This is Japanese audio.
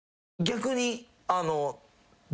逆に。